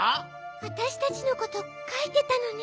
わたしたちのことかいてたのね。